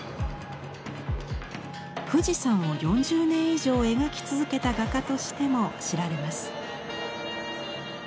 富士山を４０年以上描き続けた画家としても知られます。